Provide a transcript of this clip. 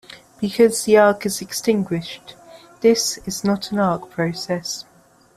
Because the arc is extinguished, this is not an arc process.